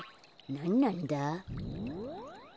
なんなんだ？